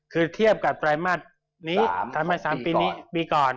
คือเทียบกับไตรมาส๓ปีก่อน